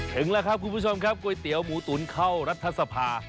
ถึงแล้วครับคุณผู้ชมครับก๋วยเตี๋ยวหมูตุ๋นเข้ารัฐสภา